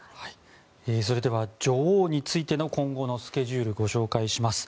それでは女王についての今後のスケジュールご紹介します。